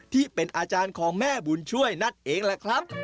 ที่เป็นอาจารย์ของแม่บุญช่วยนั่นเองแหละครับ